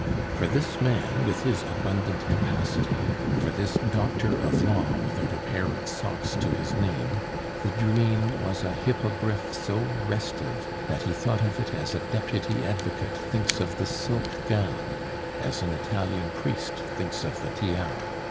For this man with his abundant capacity, for this doctor of law without a pair of socks to his name, the dream was a hippogriff so restive, that he thought of it as a deputy advocate thinks of the silk gown, as an Italian priest thinks of the tiara.